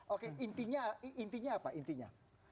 oke intinya apa intinya